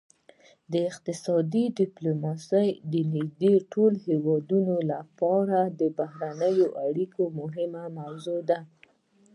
اقتصادي ډیپلوماسي د نږدې ټولو هیوادونو لپاره د بهرنیو اړیکو مهمه موضوع ده